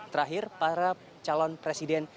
terakhir para calon presiden